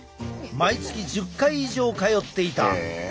毎月１０回以上通っていた。